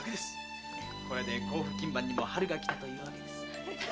これで甲府勤番にも春がきたというわけです。